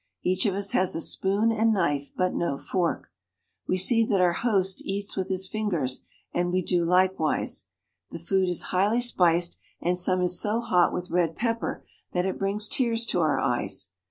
Each of us has a spoon and knife, but no fork. We see that our host eats with his fingers, and we do likewise. The food is highly spiced, and some is so hot with red pepper that it brings tears to our eyes.